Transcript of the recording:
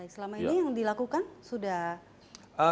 selama ini yang dilakukan sudah